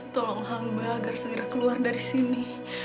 tolong hamba agar segera keluar dari sini